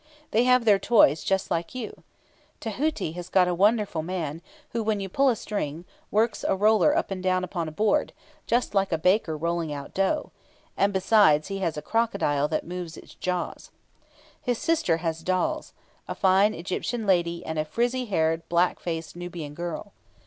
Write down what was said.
They have their toys just like you. Tahuti has got a wonderful man, who, when you pull a string, works a roller up and down upon a board, just like a baker rolling out dough, and besides he has a crocodile that moves its jaws. His sister has dolls: a fine Egyptian lady and a frizzy haired, black faced Nubian girl.